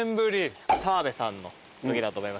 澤部さんのときだと思いますけども。